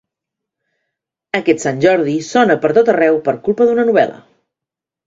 Aquest Sant Jordi sona per tot arreu per culpa d'una novel·la.